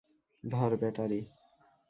ধর বেটা রে!